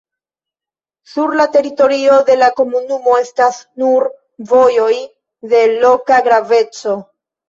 Sur la teritorio de la komunumo estas nur vojoj de loka graveco.